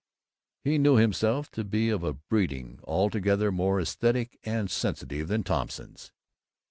He knew himself to be of a breeding altogether more esthetic and sensitive than Thompson's.